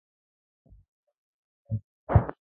سبا سهار پاڅم